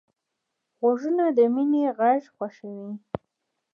غوږونه د مینې غږ خوښوي